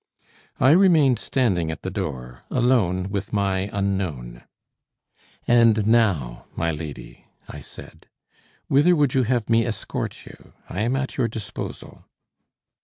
I remained standing at the door, alone with my unknown. "And now, my lady," I said, "whither would you have me escort you? I am at your disposal."